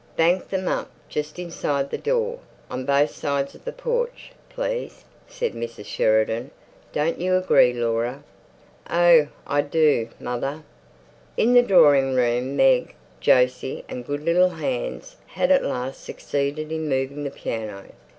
"Bank them up, just inside the door, on both sides of the porch, please," said Mrs. Sheridan. "Don't you agree, Laura?" "Oh, I do, mother." In the drawing room Meg, Jose and good little Hans had at last succeeded in moving the piano.